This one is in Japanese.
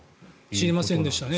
知りませんでしたね。